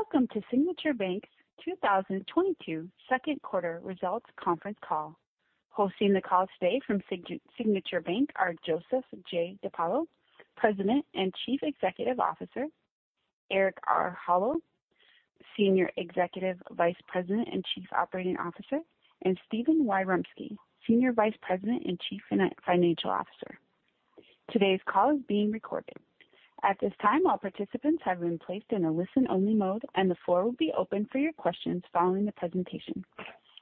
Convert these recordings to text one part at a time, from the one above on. Welcome to Signature Bank's 2022 second quarter results conference call. Hosting the call today from Signature Bank are Joseph J. DePaolo, President and Chief Executive Officer, Eric R. Howell, Senior Executive Vice President and Chief Operating Officer, and Stephen Wyremski, Senior Vice President and Chief Financial Officer. Today's call is being recorded. At this time, all participants have been placed in a listen-only mode, and the floor will be open for your questions following the presentation.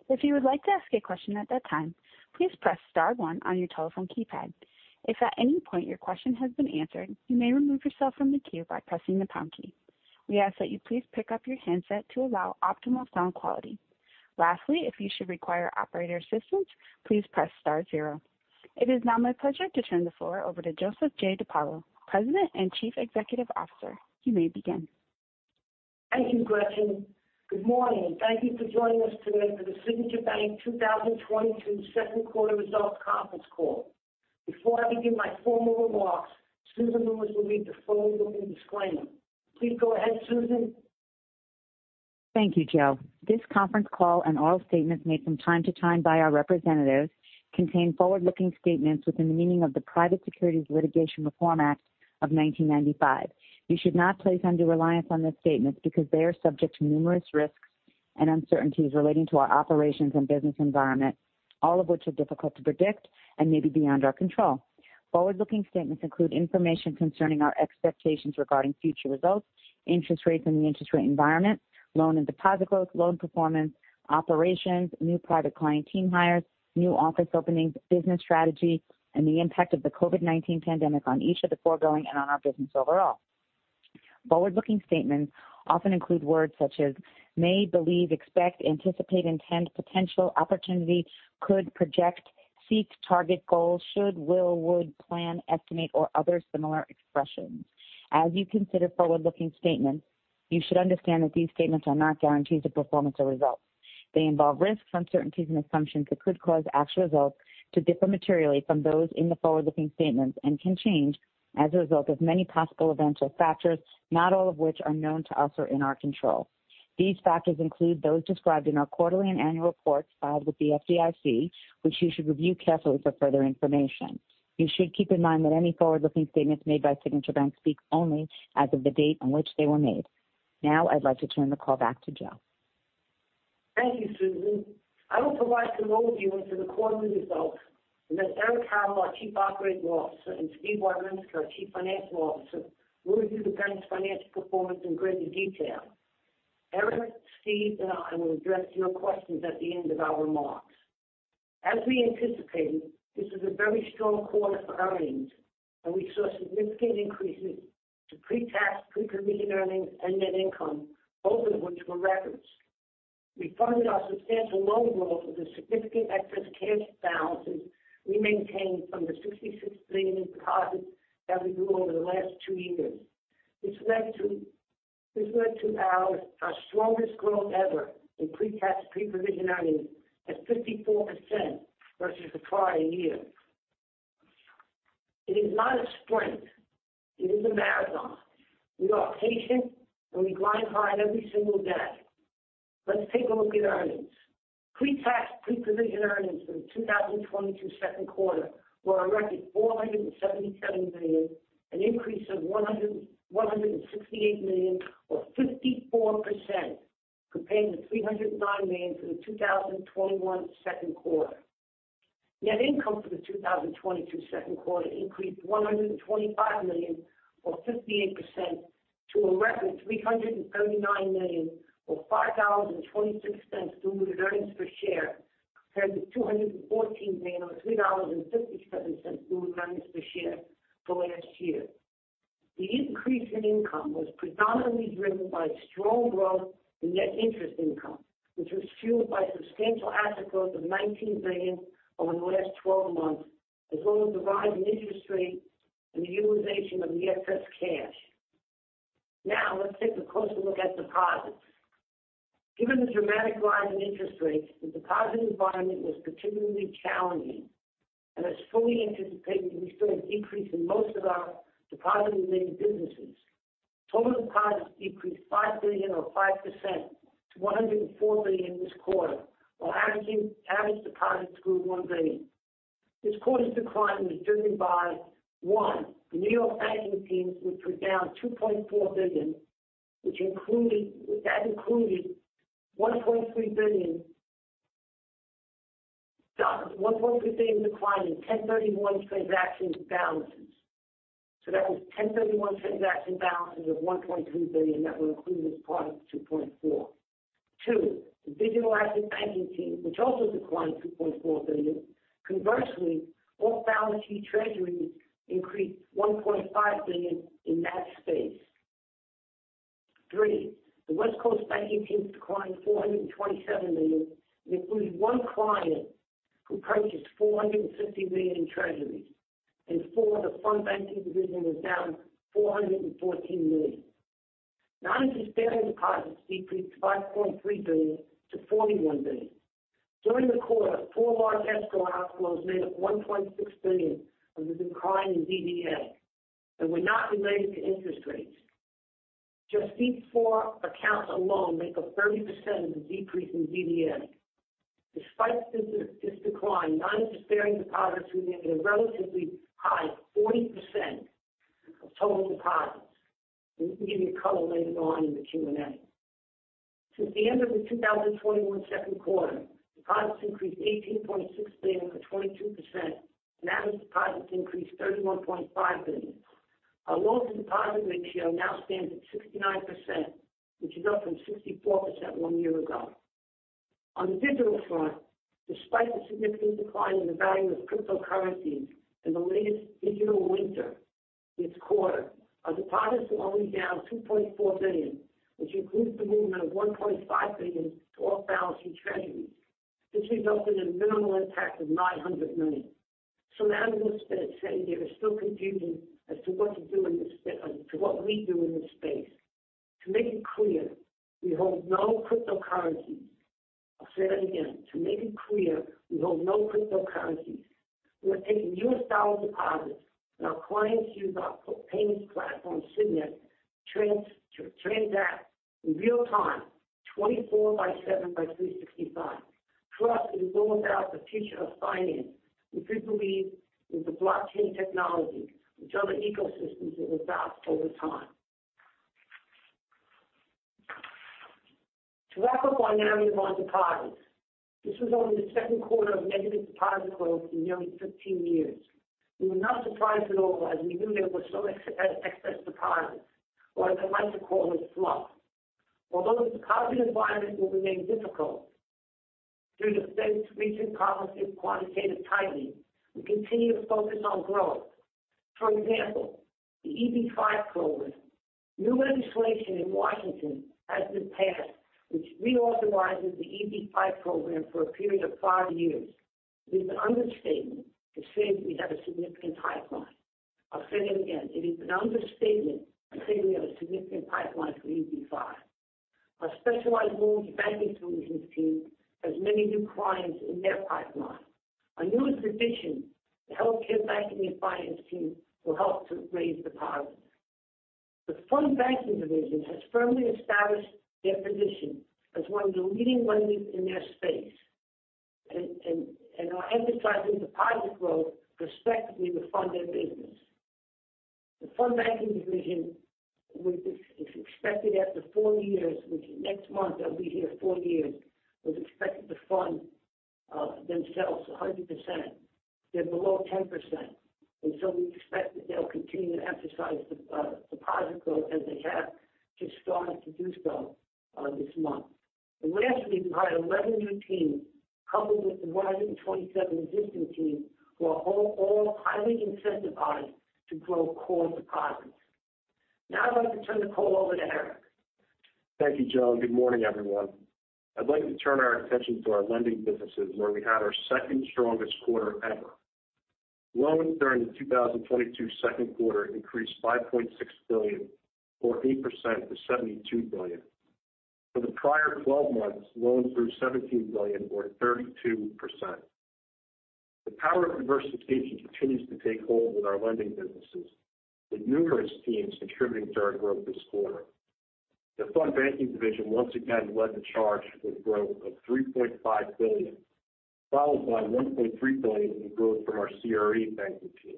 If you would like to ask a question at that time, please press star one on your telephone keypad. If at any point your question has been answered, you may remove yourself from the queue by pressing the pound key. We ask that you please pick up your handset to allow optimal sound quality. Lastly, if you should require operator assistance, please press star zero. It is now my pleasure to turn the floor over to Joseph J. DePaolo, President and Chief Executive Officer. You may begin. Thank you, Gretchen. Good morning. Thank you for joining us today for the Signature Bank 2022 second quarter results conference call. Before I begin my formal remarks, Susan Lewis will read the forward-looking disclaimer. Please go ahead, Susan. Thank you, Joe. This conference call and all statements made from time to time by our representatives contain forward-looking statements within the meaning of the Private Securities Litigation Reform Act of 1995. You should not place undue reliance on these statements because they are subject to numerous risks and uncertainties relating to our operations and business environment, all of which are difficult to predict and may be beyond our control. Forward-looking statements include information concerning our expectations regarding future results, interest rates and the interest rate environment, loan and deposit growth, loan performance, operations, new private client team hires, new office openings, business strategy, and the impact of the COVID-19 pandemic on each of the foregoing and on our business overall. Forward-looking statements often include words such as may, believe, expect, anticipate, intent, potential, opportunity, could, project, seek, target, goal, should, will, would, plan, estimate, or other similar expressions. As you consider forward-looking statements, you should understand that these statements are not guarantees of performance or results. They involve risks, uncertainties, and assumptions that could cause actual results to differ materially from those in the forward-looking statements and can change as a result of many possible events or factors, not all of which are known to us or in our control. These factors include those described in our quarterly and annual reports filed with the FDIC, which you should review carefully for further information. You should keep in mind that any forward-looking statements made by Signature Bank speak only as of the date on which they were made. Now I'd like to turn the call back to Joe. Thank you, Susan. I will provide some overview into the quarterly results, and then Eric R. Howell, our Chief Operating Officer, and Stephen Wyremski, our Chief Financial Officer, will review the bank's financial performance in greater detail. Eric R. Howell, Stephen Wyremski, and I will address your questions at the end of our remarks. As we anticipated, this is a very strong quarter for earnings, and we saw significant increases to pre-tax, pre-provision earnings and net income, both of which were records. We funded our substantial loan growth with a significant excess cash balances we maintained from the $66 billion in deposits that we grew over the last two years. This led to our strongest growth ever in pre-tax, pre-provision earnings at 54% versus the prior year. It is not a sprint, it is a marathon. We are patient, and we grind hard every single day. Let's take a look at earnings. Pre-tax, pre-provision earnings for the 2022 second quarter were a record $477 million, an increase of $168 million or 54% compared to $309 million for the 2021 second quarter. Net income for the 2022 second quarter increased $125 million or 58% to a record $339 million or $5.26 diluted earnings per share compared to $214 million or $3.57 diluted earnings per share for last year. The increase in income was predominantly driven by strong growth in net interest income, which was fueled by substantial asset growth of $19 billion over the last 12 months, as well as the rise in interest rates and the utilization of the excess cash. Now let's take a closer look at deposits. Given the dramatic rise in interest rates, the deposit environment was particularly challenging. As fully anticipated, we saw a decrease in most of our deposit related businesses. Total deposits decreased $5 billion or 5% to $104 billion this quarter, while average deposits grew $1 billion. This quarter's decline was driven by, one, the New York banking teams, which were down $2.4 billion, which included a $1.3 billion decline in 1031 transaction balances. That was 1031 transaction balances of $1.3 billion that were included as part of the $2.4. Two, the digital asset banking team, which also declined $2.4 billion. Conversely, all balance sheet treasuries increased $1.5 billion in that space. Three, the West Coast banking team declined $427 million, which includes one client who purchased $450 million in treasuries. Four, the fund banking division was down $414 million. Non-interest bearing deposits decreased $5.3 billion to $41 billion. During the quarter, four large escrow outflows made up $1.6 billion of the decline in DDA and were not related to interest rates. Just these four accounts alone make up 30% of the decrease in DDA. Despite this decline, non-interest-bearing deposits remained at a relatively high 40% of total deposits. We can give you color later on in the Q&A. Since the end of the 2021 second quarter, deposits increased $18.6 billion or 22%. Now deposits increased $31.5 billion. Our loan-to-deposit ratio now stands at 69%, which is up from 64% one year ago. On the digital front, despite a significant decline in the value of cryptocurrencies in the latest digital winter this quarter, our deposits were only down $2.4 billion, which includes the movement of $1.5 billion to off-balance-sheet treasuries. This resulted in a minimal impact of $900 million. Some analysts that say there is still confusion as to what we do in this space. To make it clear, we hold no cryptocurrencies. I'll say that again. To make it clear, we hold no cryptocurrencies. We are taking U.S. dollar deposits, and our clients use our payments platform, Signet, to transact in real time 24 by 7 by 365. Plus, we know about the future of finance, which we believe is the blockchain technology, which other ecosystems will adopt over time. To wrap up on our deposits, this was only the second quarter of negative deposit growth in nearly 15 years. We were not surprised at all as we knew there was some excess deposits, or as I like to call it, fluff. Although the deposit environment will remain difficult due to the Fed's recent policy of quantitative tightening, we continue to focus on growth. For example, the EB-5 program. New legislation in Washington has been passed which reauthorizes the EB-5 program for a period of five years. It is an understatement to say that we have a significant pipeline. I'll say that again. It is an understatement to say we have a significant pipeline for EB-5. Our specialized loans banking solutions team has many new clients in their pipeline. Our newest addition, the healthcare banking and finance team, will help to raise deposits. The fund banking division has firmly established their position as one of the leading lenders in their space and are emphasizing deposit growth respectively to fund their business. The fund banking division, which is expected after four years, which next month they'll be here four years, was expected to fund themselves 100%. They're below 10%. We expect that they'll continue to emphasize deposit growth as they have to start to do so this month. Lastly, we've hired 11 new teams coupled with the 127 existing teams who are all highly incentivized to grow core deposits. Now I'd like to turn the call over to Eric R. Howell. Thank you, John. Good morning, everyone. I'd like to turn our attention to our lending businesses, where we had our second strongest quarter ever. Loans during the 2022 second quarter increased $5.6 billion or 8% to $72 billion. For the prior twelve months, loans grew $17 billion or 32%. The power of diversification continues to take hold with our lending businesses, with numerous teams contributing to our growth this quarter. The fund banking division once again led the charge with growth of $3.5 billion, followed by $1.3 billion in growth from our CRE banking team.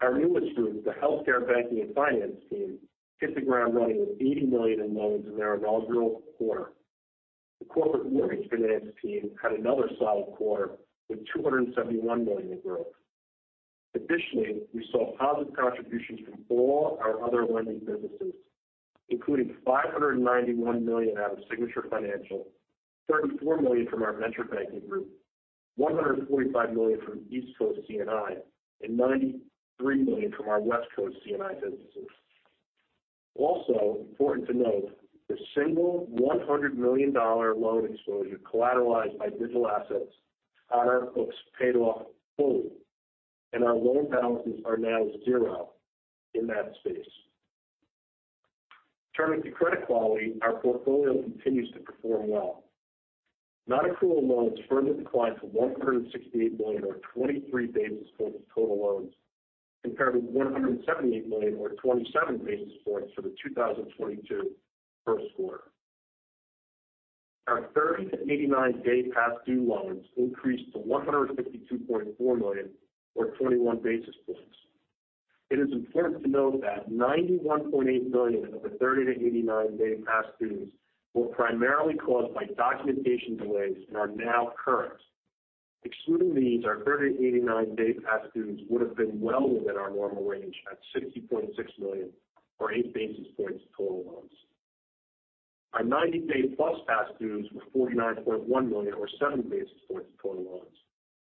Our newest group, the healthcare banking and finance team, hit the ground running with $80 million in loans in their inaugural quarter. The corporate mortgage finance team had another solid quarter with $271 million in growth. Additionally, we saw positive contributions from all our other lending businesses, including $591 million out of Signature Financial, $34 million from our venture banking group, $145 million from East Coast C&I, and $93 million from our West Coast C&I businesses. Also important to note, the single $100 million loan exposure collateralized by digital assets on our books paid off fully, and our loan balances are now zero in that space. Turning to credit quality, our portfolio continues to perform well. Non-accrual loans further declined to $168 million or 23 basis points of total loans, compared with $178 million or 27 basis points for the 2022 first quarter. Our 30- to 89-day past due loans increased to $152.4 million or 21 basis points. It is important to note that $91.8 million of the 30- to 89-day past dues were primarily caused by documentation delays and are now current. Excluding these, our 30- to 89-day past dues would have been well within our normal range at $60.6 million or 8 basis points of total loans. Our 90-day plus past dues were $49.1 million or 7 basis points of total loans.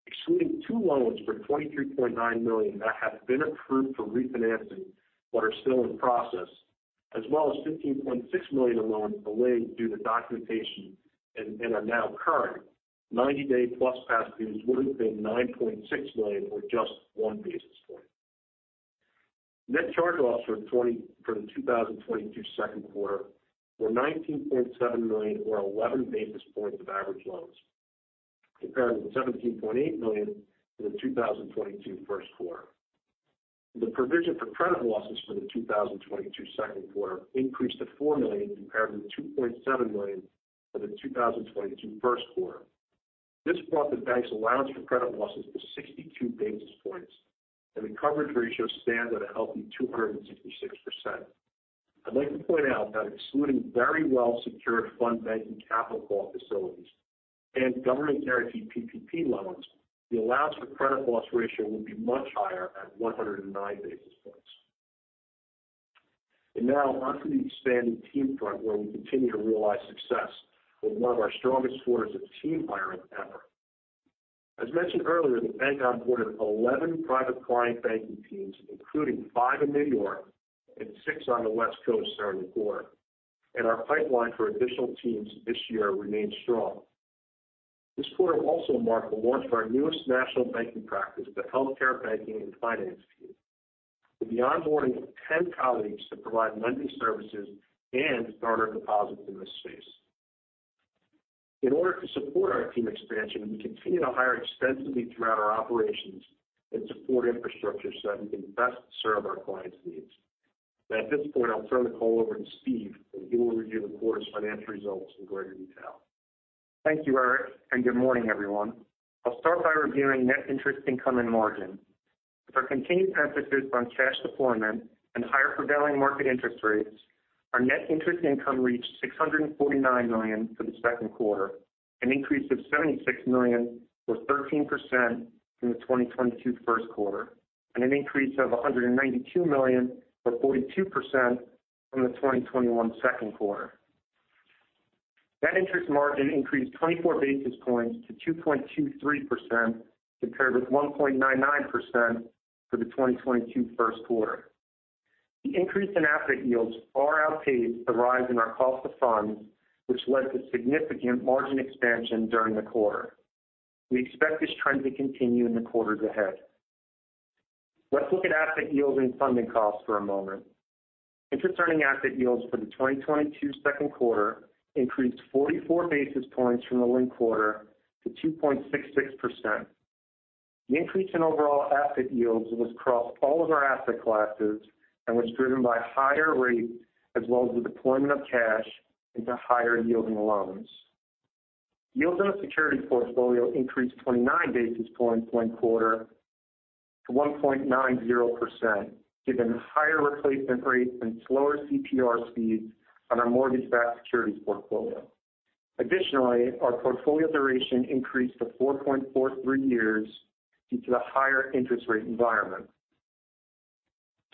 Excluding two loans for $23.9 million that have been approved for refinancing but are still in process, as well as $15.6 million in loans delayed due to documentation and are now current, 90-day plus past dues would have been $9.6 million or just one basis point. Net charge-offs for the 2022 second quarter were $19.7 million or 11 basis points of average loans, compared to $17.8 million in the 2022 first quarter. The provision for credit losses for the 2022 second quarter increased to $4 million, compared to $2.7 million for the 2022 first quarter. This brought the bank's allowance for credit losses to 62 basis points, and the coverage ratio stands at a healthy 266%. I'd like to point out that excluding very well-secured fund-banked and capital call facilities and government-guaranteed PPP loans, the allowance for credit loss ratio would be much higher at 109 basis points. Now onto the expanding team front, where we continue to realize success with one of our strongest quarters of team hiring ever. As mentioned earlier, the bank onboarded 11 private client banking teams, including 5 in New York and 6 on the West Coast during the quarter. Our pipeline for additional teams this year remains strong. This quarter also marked the launch of our newest national banking practice, the Healthcare Banking and Finance Team. We'll be onboarding 10 colleagues to provide lending services and garner deposits in this space. In order to support our team expansion, we continue to hire extensively throughout our operations and support infrastructure so that we can best serve our clients' needs. Now, at this point, I'll turn the call over to Steve, and he will review the quarter's financial results in greater detail. Thank you, Eric, and good morning, everyone. I'll start by reviewing net interest income and margin. With our continued emphasis on cash deployment and higher prevailing market interest rates, our net interest income reached $649 million for the second quarter, an increase of $76 million or 13% from the 2022 first quarter, and an increase of $192 million or 42% from the 2021 second quarter. Net interest margin increased 24 basis points to 2.23% compared with 1.99% for the 2022 first quarter. The increase in asset yields far outpaced the rise in our cost of funds, which led to significant margin expansion during the quarter. We expect this trend to continue in the quarters ahead. Let's look at asset yields and funding costs for a moment. Interest-earning asset yields for the 2022 second quarter increased 44 basis points from the linked quarter to 2.66%. The increase in overall asset yields was across all of our asset classes and was driven by higher rates as well as the deployment of cash into higher-yielding loans. Yields on the securities portfolio increased 29 basis points quarter-over-quarter to 1.90%, given higher replacement rates and slower CPR speeds on our mortgage-backed securities portfolio. Additionally, our portfolio duration increased to 4.43 years due to the higher interest rate environment.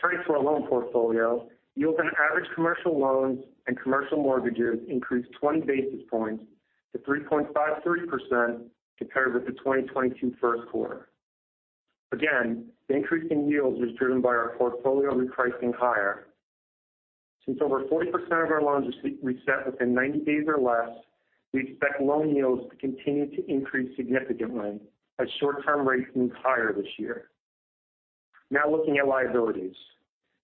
Turning to our loan portfolio, yields on average commercial loans and commercial mortgages increased 20 basis points to 3.53% compared with the 2022 first quarter. Again, the increase in yields was driven by our portfolio repricing higher. Since over 40% of our loans is re-reset within 90 days or less, we expect loan yields to continue to increase significantly as short-term rates move higher this year. Now looking at liabilities.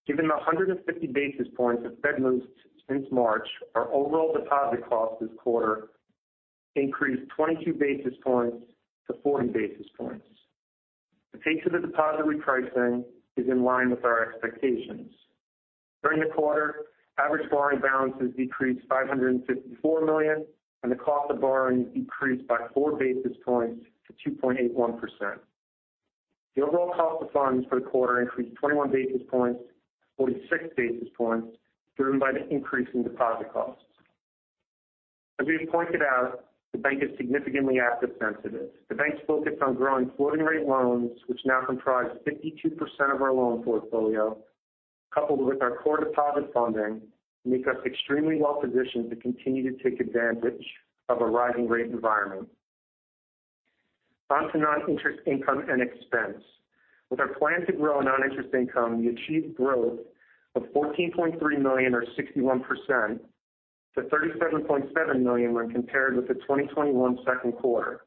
Given the 150 basis points of Fed moves since March, our overall deposit cost this quarter increased 22 basis points to 40 basis points. The pace of the deposit repricing is in line with our expectations. During the quarter, average borrowing balances decreased $554 million, and the cost of borrowing decreased by 4 basis points to 2.81%. The overall cost of funds for the quarter increased 21 basis points to 46 basis points, driven by the increase in deposit costs. As we have pointed out, the bank is significantly asset sensitive. The bank's focus on growing floating-rate loans, which now comprise 52% of our loan portfolio, coupled with our core deposit funding, make us extremely well positioned to continue to take advantage of a rising rate environment. On to non-interest income and expense. With our plan to grow non-interest income, we achieved growth of $14.3 million or 61% to $37.7 million when compared with the 2021 second quarter.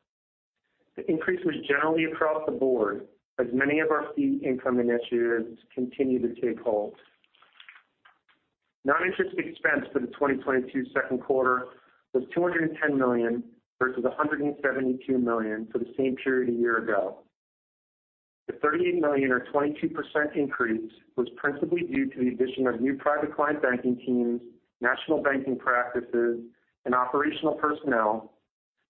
The increase was generally across the board as many of our fee income initiatives continue to take hold. Non-interest expense for the 2022 second quarter was $210 million versus $172 million for the same period a year ago. The $38 million or 22% increase was principally due to the addition of new private client banking teams, national banking practices, and operational personnel,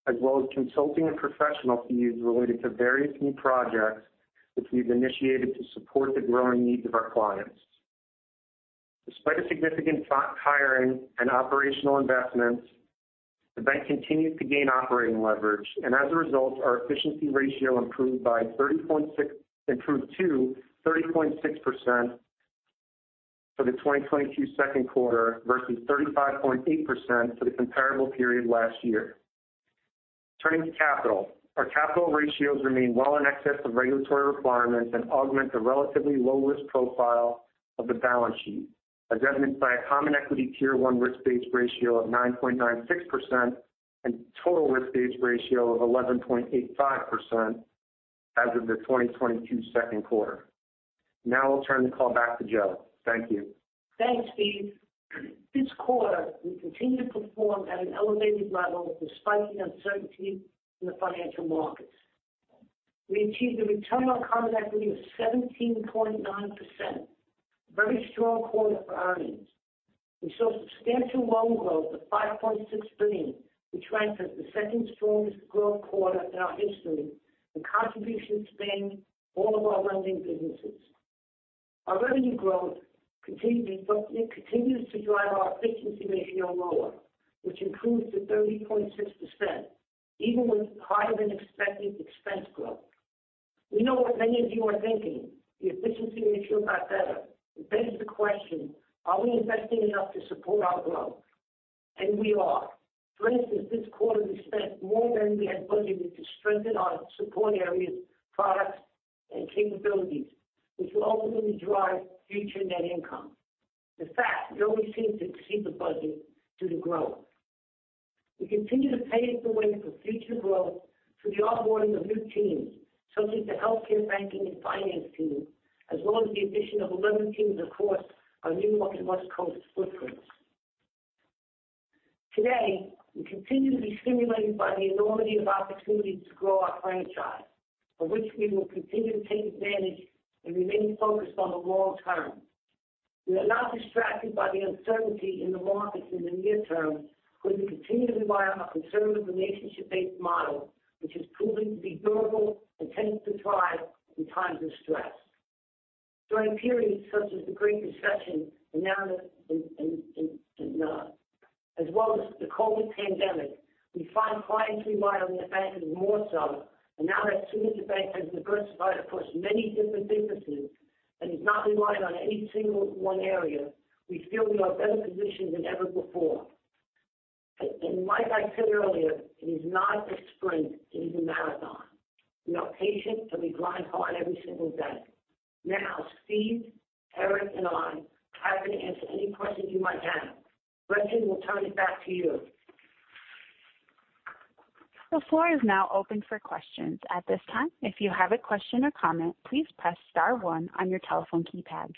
as well as consulting and professional fees related to various new projects which we've initiated to support the growing needs of our clients. Despite a significant hiring and operational investments, the bank continues to gain operating leverage. As a result, our efficiency ratio improved to 30.6% for the 2022 second quarter versus 35.8% for the comparable period last year. Turning to capital. Our capital ratios remain well in excess of regulatory requirements and augment the relatively low-risk profile of the balance sheet. As evidenced by a common equity Tier 1 risk-based ratio of 9.96% and total risk-based ratio of 11.85% as of the 2022 second quarter. Now I'll turn the call back to Joe. Thank you. Thanks, Steve. This quarter, we continue to perform at an elevated level despite the uncertainty in the financial markets. We achieved a return on common equity of 17.9%. Very strong quarter for earnings. We saw substantial loan growth of $5.6 billion, which ranked as the second strongest growth quarter in our history. The contribution spanned all of our lending businesses. Our revenue growth continues to drive our efficiency ratio lower, which improved to 30.6%, even with higher than expected expense growth. We know what many of you are thinking. The efficiency ratio got better. It begs the question, are we investing enough to support our growth? We are. For instance, this quarter we spent more than we had budgeted to strengthen our support areas, products and capabilities, which will ultimately drive future net income. In fact, we always seem to exceed the budget due to growth. We continue to pave the way for future growth through the onboarding of new teams such as the healthcare banking and finance team, as well as the addition of 11 teams across our New York and West Coast footprints. Today, we continue to be stimulated by the enormity of opportunities to grow our franchise, of which we will continue to take advantage and remain focused on the long term. We are not distracted by the uncertainty in the markets in the near term, where we continue to rely on our conservative relationship-based model, which has proven to be durable and tends to thrive in times of stress. During periods such as the Great Recession and now as well as the COVID pandemic, we find clients rely on their banks more so. Now that Signature Bank has diversified across many different businesses and does not rely on any single one area, we feel we are better positioned than ever before. Like I said earlier, it is not a sprint, it is a marathon. We are patient, and we grind hard every single day. Now Steve, Eric, and I are happy to answer any questions you might have. Gretchen, we'll turn it back to you. The floor is now open for questions. At this time, if you have a question or comment, please press star one on your telephone keypad.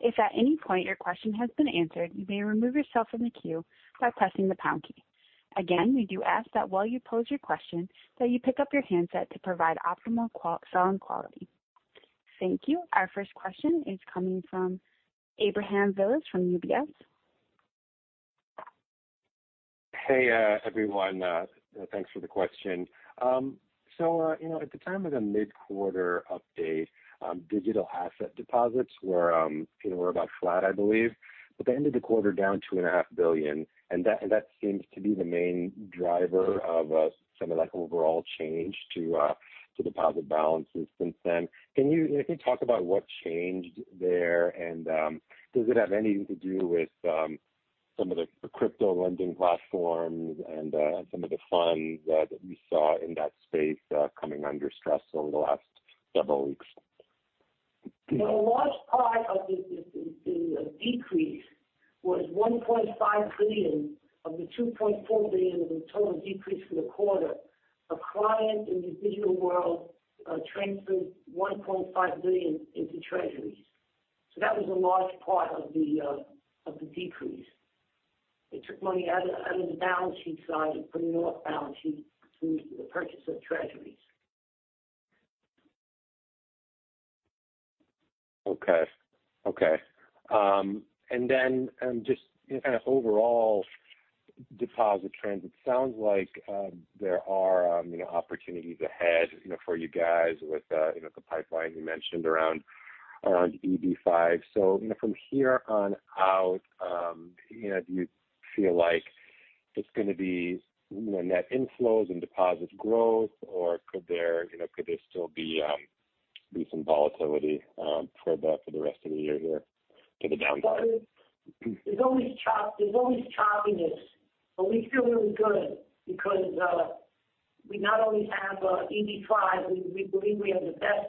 If at any point your question has been answered, you may remove yourself from the queue by pressing the pound key. Again, we do ask that while you pose your question, that you pick up your handset to provide optimal sound quality. Thank you. Our first question is coming from Ebrahim Poonawala, from UBS. Hey, everyone. Thanks for the question. You know, at the time of the mid-quarter update, digital asset deposits were you know about flat, I believe. At the end of the quarter, down $2.5 billion. That seems to be the main driver of some of that overall change to deposit balances since then. Can you talk about what changed there? Does it have anything to do with some of the crypto lending platforms and some of the funds that we saw in that space coming under stress over the last several weeks? A large part of the decrease was $1.5 billion of the $2.4 billion of the total decrease for the quarter. A client in the digital world transferred $1.5 billion into treasuries. That was a large part of the decrease. They took money out of the balance sheet side and put it off balance sheet through the purchase of treasuries. Just in kind of overall deposit trends, it sounds like there are, you know, opportunities ahead, you know, for you guys with, you know, the pipeline you mentioned around EB-5. From here on out, you know, do you feel like it's gonna be net inflows and deposits growth, or could there still be some volatility for the rest of the year here to the downside? There's always choppiness, but we feel really good because we not only have EB-5, we believe we have the best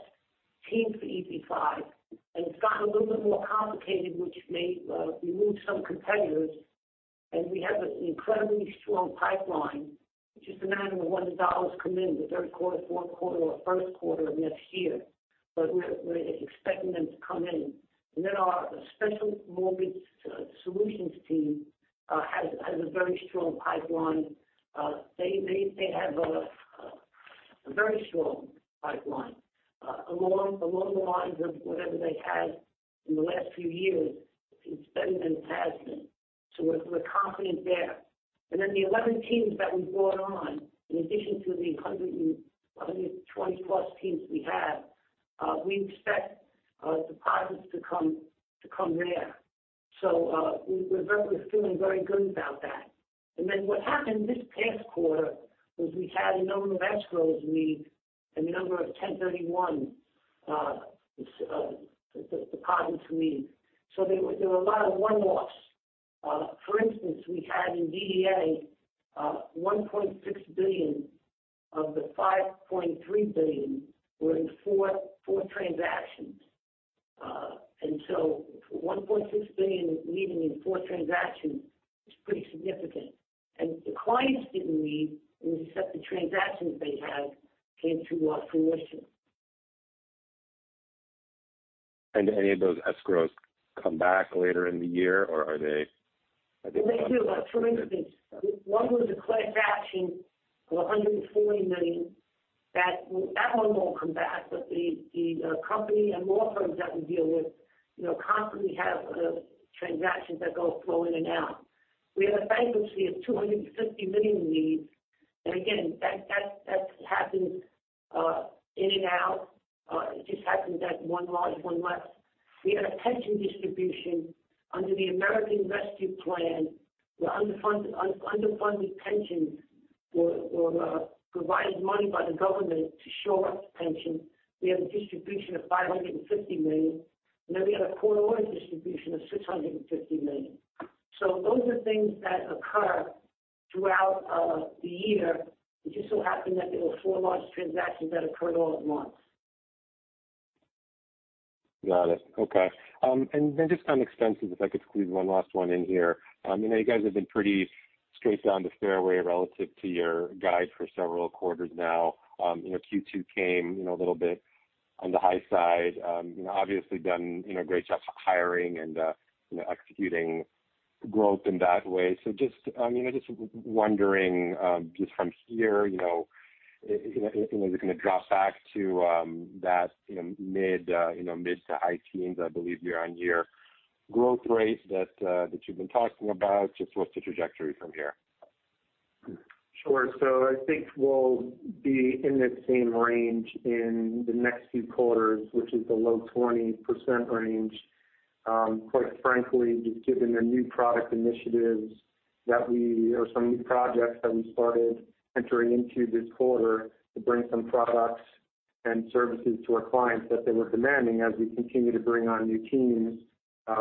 team for EB-5. It's gotten a little bit more complicated, which may remove some competitors. We have an incredibly strong pipeline. It's just a matter of when the dollars come in, the third quarter, fourth quarter or first quarter of next year. We're expecting them to come in. Our special mortgage solutions team has a very strong pipeline. They have a very strong pipeline along the lines of whatever they had in the last few years. It's better than it has been. We're confident there. The 11 teams that we brought on, in addition to the 120-plus teams we have, we expect deposits to come there. We're feeling very good about that. What happened this past quarter was we had a number of escrows leave, a number of 1031 deposits leave. There were a lot of one-offs. For instance, we had in DDA $1.6 billion of the $5.3 billion were in 4 transactions. One point six billion leaving in 4 transactions is pretty significant. The clients didn't leave, except the transactions they had came to fruition. Any of those escrows come back later in the year or are they- They do. For instance, one was a class action of $140 million. That one won't come back, but the company and law firms that we deal with, you know, constantly have transactions that flow in and out. We had a bankruptcy of $250 million leave. Again, that happens in and out. It just happened that one large, one less. We had a pension distribution under the American Rescue Plan. The underfunded pensions were provided money by the government to shore up the pension. We had a distribution of $550 million, and then we had a court order distribution of $650 million. Those are things that occur throughout the year. It just so happened that there were four large transactions that occurred all at once. Got it. Okay. Just on expenses, if I could squeeze one last one in here. I know you guys have been pretty straight down the fairway relative to your guide for several quarters now. You know, Q2 came, you know, a little bit on the high side. You know, obviously done, you know, a great job hiring and, you know, executing growth in that way. Just, you know, just wondering, just from here, you know, you know, is it gonna drop back to, that, you know, mid to high teens, I believe, year-on-year growth rate that you've been talking about. Just what's the trajectory from here? Sure. I think we'll be in the same range in the next few quarters, which is the low 20% range. Quite frankly, just given the new product initiatives or some new projects that we started entering into this quarter to bring some products and services to our clients that they were demanding as we continue to bring on new teams,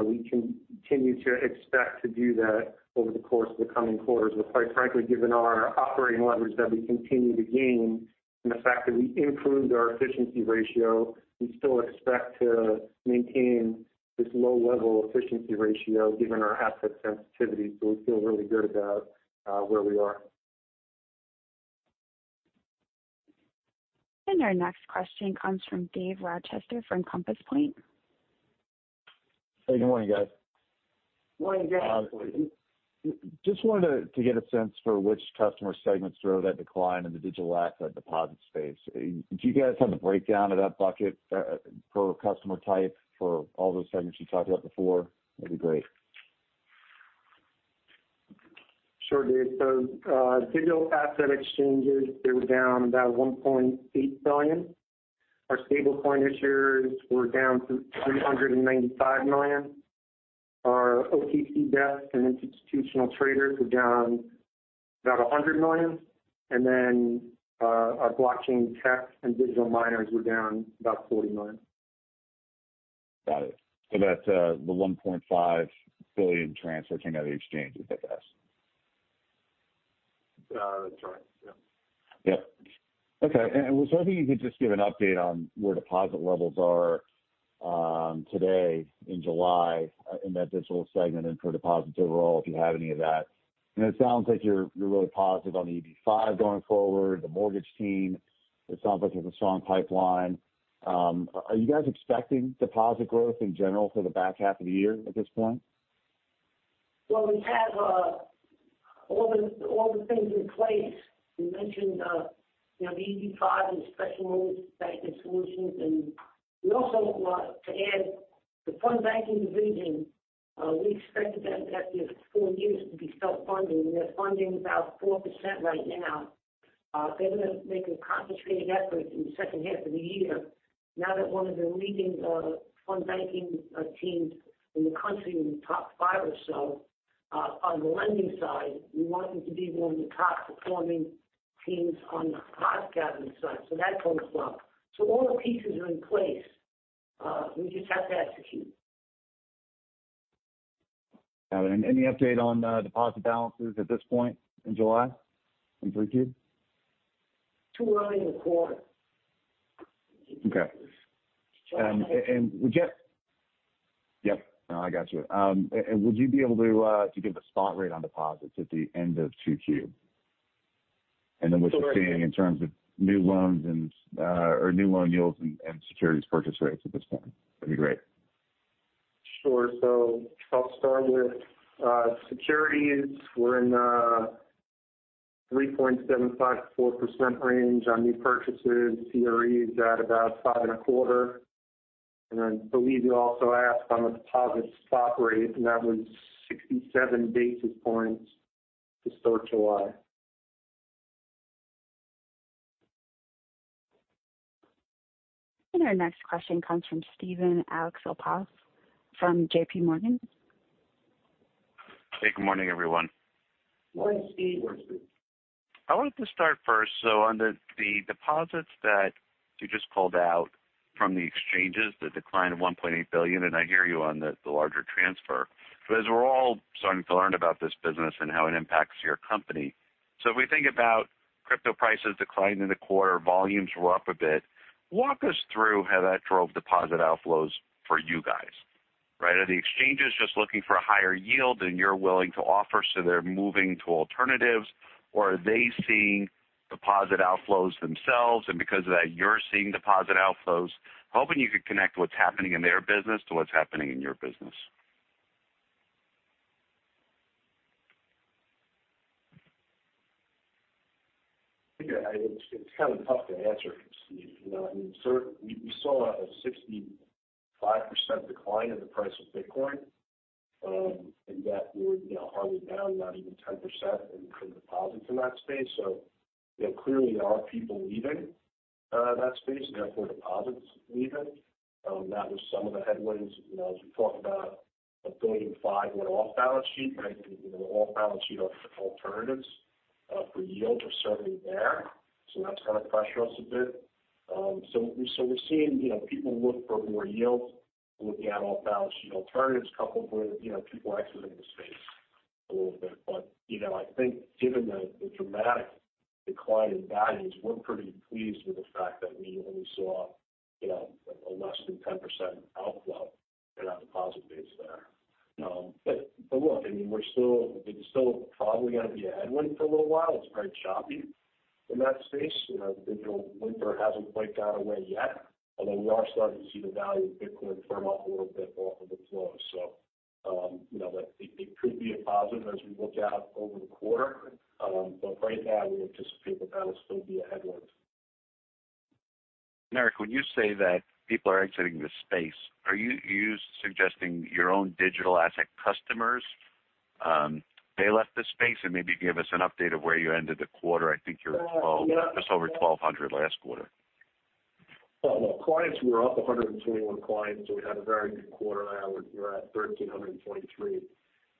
we continue to expect to do that over the course of the coming quarters. Quite frankly, given our operating leverage that we continue to gain and the fact that we improved our efficiency ratio, we still expect to maintain this low level efficiency ratio given our asset sensitivity. We feel really good about where we are. Our next question comes from Dave Rochester from Compass Point. Hey, good morning, guys. Morning, Dave. Just wanted to get a sense for which customer segments drove that decline in the digital asset deposit space. Do you guys have the breakdown of that bucket per customer type for all those segments you talked about before? That'd be great. Sure, Dave. Digital asset exchanges, they were down about $1.8 billion. Our stablecoin issuers were down 395 million. Our OTC desk and institutional traders were down about $100 million. Then, our blockchain tech and digital miners were down about $40 million. Got it. That's the $1.5 billion transfer came out of the exchanges I guess. That's right. Yeah. Yep. Okay. I was hoping you could just give an update on where deposit levels are, today in July, in that digital segment and for deposits overall, if you have any of that. It sounds like you're really positive on the EB-5 going forward. The mortgage team, it sounds like there's a strong pipeline. Are you guys expecting deposit growth in general for the back half of the year at this point? Well, we have all the things in place. We mentioned, you know, the EB-5 and special loans banking solutions. We also want to add the fund banking division, we expected that after four years to be self-funding. We're funding about 4% right now. They're gonna make a concentrated effort in the second half of the year. Now that one of the leading fund banking teams in the country, in the top five or so, on the lending side, we want them to be one of the top performing teams on the asset gathering side. That goes well. All the pieces are in place. We just have to execute. Got it. Any update on, deposit balances at this point in July in 2Q? Too early in the quarter. Okay. Yep, no, I got you. Would you be able to give a spot rate on deposits at the end of 2Q? Sure. Then what you're seeing in terms of new loans and or new loan yields and securities purchase rates at this point? That'd be great. Sure. I'll start with securities. We're in 3.75%-4% range on new purchases. CRE is at about 5.25%. I believe you also asked on the deposit spot rate, and that was 67 basis points to start July. Our next question comes from Steven Alexopoulos from JPMorgan. Hey, good morning, everyone. Go ahead, Steve. I wanted to start first. Under the deposits that you just called out from the exchanges, the decline of $1.8 billion, and I hear you on the larger transfer. As we're all starting to learn about this business and how it impacts your company, if we think about crypto prices declining in the quarter, volumes were up a bit. Walk us through how that drove deposit outflows for you guys. Right. Are the exchanges just looking for a higher yield than you're willing to offer, so they're moving to alternatives? Or are they seeing deposit outflows themselves, and because of that, you're seeing deposit outflows? Hoping you could connect what's happening in their business to what's happening in your business. Yeah. It's kind of tough to answer, Steve. You know, I mean, we saw a 65% decline in the price of Bitcoin, and that we're hardly down not even 10% in terms of deposits in that space. You know, clearly there are people leaving that space, and therefore deposits leaving. That was some of the headwinds, you know, as we talked about $1.5 billion on off balance sheet, right? You know, off balance sheet alternatives for yield are certainly there. That's kind of pressure us a bit. We're seeing, you know, people look for more yield, looking at off balance sheet alternatives coupled with, you know, people exiting the space a little bit. You know, I think given the dramatic decline in values, we're pretty pleased with the fact that we only saw, you know, a less than 10% outflow in our deposit base there. Look, I mean, we're still. It's still probably gonna be a headwind for a little while. It's very choppy in that space. You know, the crypto winter hasn't quite gone away yet, although we are starting to see the value of Bitcoin firm up a little bit off of the lows. You know, it could be a positive as we look out over the quarter. Right now we anticipate that that'll still be a headwind. Eric, when you say that people are exiting the space, are you suggesting your own digital asset customers they left the space? Maybe give us an update of where you ended the quarter. I think you were 12- Yeah. Just over 1,200 last quarter. Oh, well, clients, we're up 121 clients. We had a very good quarter. We're at 1,323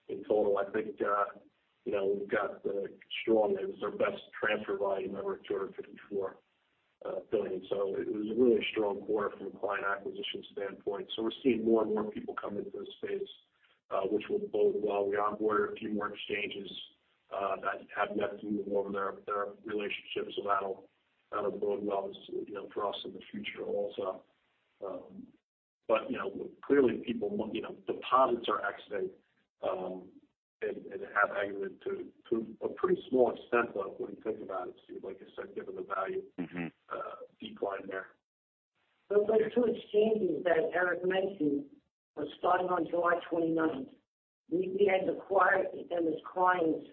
in total. I think, you know, it was our best transfer volume ever at $254 billion. It was really a strong quarter from a client acquisition standpoint. We're seeing more and more people come into the space, which will bode well. We onboard a few more exchanges that have yet to move over their relationships. That'll bode well, you know, for us in the future also. You know, clearly deposits are exiting and have exited to a pretty small extent though, when you think about it, Steve, like I said, given the value. Mm-hmm. Decline there. Those are two exchanges that Eric mentioned. Starting on July twenty-ninth. We had acquired them as clients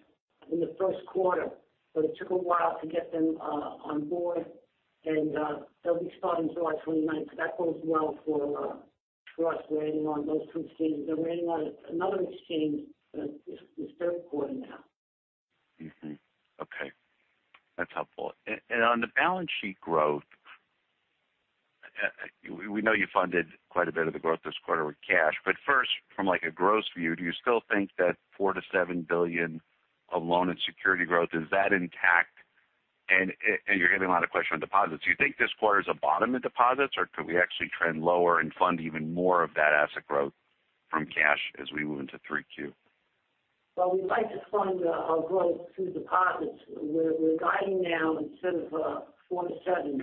in the first quarter, but it took a while to get them on board. They'll be starting July twenty-ninth. That bodes well for us waiting on those two exchanges. They're waiting on another exchange that is third quarter now. Mm-hmm. Okay. That's helpful. On the balance sheet growth, we know you funded quite a bit of the growth this quarter with cash, but first from like a gross view, do you still think that $4 billion-$7 billion of loan and security growth is intact? You're getting a lot of questions on deposits. Do you think this quarter is a bottom in deposits, or could we actually trend lower and fund even more of that asset growth from cash as we move into 3Q? Well, we'd like to fund our growth through deposits. We're guiding now instead of 4-7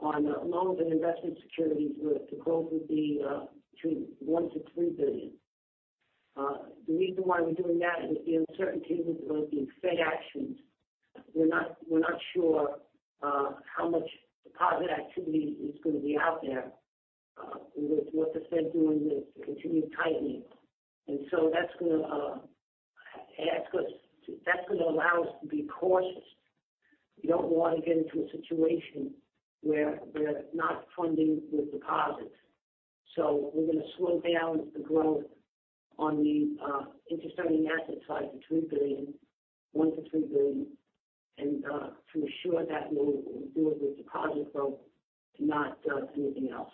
on loans and investment securities. The growth would be between $1-$3 billion. The reason why we're doing that is the uncertainty with the Fed actions. We're not sure how much deposit activity is gonna be out there with what the Fed doing with the continued tightening. That's gonna allow us to be cautious. We don't wanna get into a situation where we're not funding with deposits. We're gonna slow down the growth on the interest earning asset side to $2 billion, $1-$3 billion. To ensure that we'll do it with deposit growth, not anything else.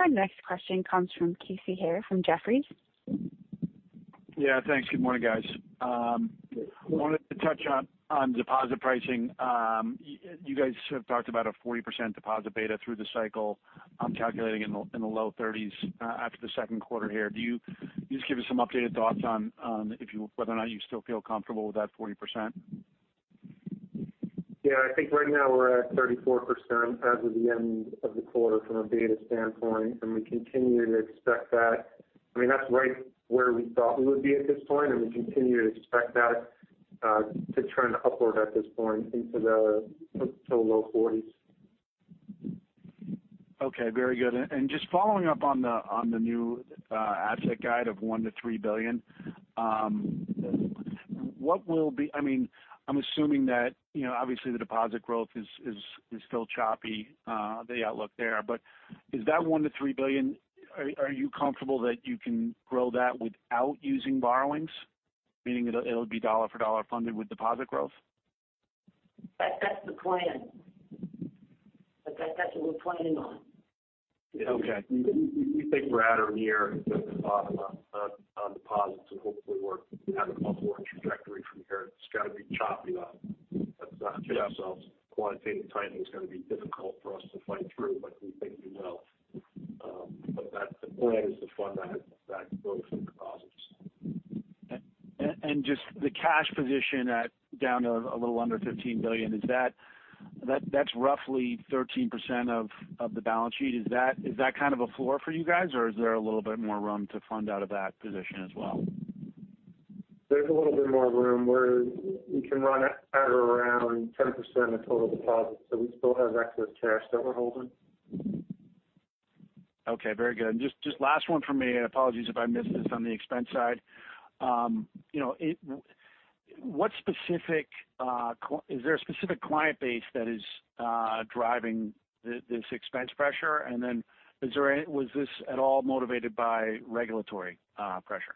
Our next question comes from Casey Haire from Jefferies. Yeah. Thanks. Good morning, guys. Wanted to touch on deposit pricing. You guys have talked about a 40% deposit beta through the cycle. I'm calculating in the low 30s after the second quarter here. Do you just give us some updated thoughts on whether or not you still feel comfortable with that 40%? Yeah. I think right now we're at 34% as of the end of the quarter from a beta standpoint, and we continue to expect that. I mean, that's right where we thought we would be at this point, and we continue to expect that to trend upward at this point into the low 40s. Okay. Very good. Just following up on the new asset guidance of $1-$3 billion. I mean, I'm assuming that, you know, obviously the deposit growth is still choppy, the outlook there. But is that $1-$3 billion, are you comfortable that you can grow that without using borrowings? Meaning it'll be dollar for dollar funded with deposit growth. That's the plan. That's what we're planning on. Okay. We think we're at or near the bottom on deposits, and hopefully we're at an upward trajectory from here. It's gotta be choppy though. That's not Yeah. Quantitative timing is gonna be difficult for us to fight through, but we think we will. The plan is to fund that growth in deposits. Just the cash position a little under $15 billion, that's roughly 13% of the balance sheet. Is that kind of a floor for you guys, or is there a little bit more room to fund out of that position as well? There's a little bit more room where we can run at around 10% of total deposits, so we still have excess cash that we're holding. Okay, very good. Just last one for me, and apologies if I missed this on the expense side. You know, is there a specific client base that is driving this expense pressure? Was this at all motivated by regulatory pressure?